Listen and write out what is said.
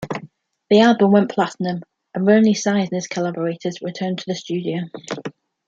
The album went platinum, and Roni Size and his collaborators returned to the studio.